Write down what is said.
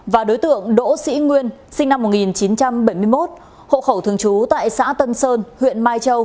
và đối tượng đỗ sĩ nguyên sinh năm một nghìn chín trăm bảy mươi một hộ khẩu thường trú tại xã tân sơn huyện mai châu